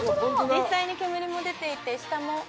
実際に煙も出ていて下も赤く。